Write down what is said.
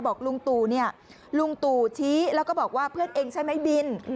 ลุงตู่เนี่ยลุงตู่ชี้แล้วก็บอกว่าเพื่อนเองใช่ไหมบิน